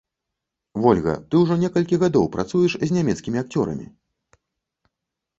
Вольга, ты ўжо некалькі гадоў працуеш з нямецкімі акцёрамі.